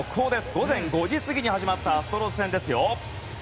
午前５時過ぎに始まったアストロズ戦ですよ。